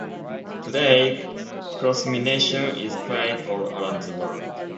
Today, Crossminton is played all around the world.